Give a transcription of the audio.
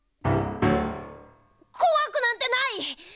こわくなんてない！